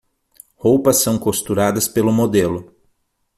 Roupas são costuradas pelo modelo